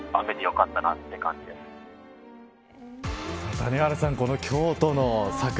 谷原さん、この京都の桜。